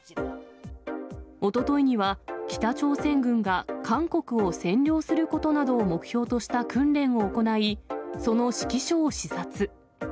おとといには、北朝鮮軍が韓国を占領することなどを目標とした訓練を行い、その指揮所を視察。